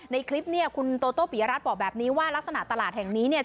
ในคลิปเนี่ยคุณโตโต้ปิยรัฐบอกแบบนี้ว่าลักษณะตลาดแห่งนี้เนี่ย